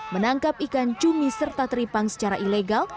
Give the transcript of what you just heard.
menangkap ikan cumi serta teripang secara ilegal